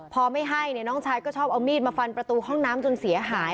พอไม่ให้เนี่ยน้องชายก็ชอบเอามีดมาฟันประตูห้องน้ำจนเสียหาย